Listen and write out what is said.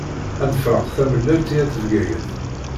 A nefṛeq tamellalt i At Bgayet.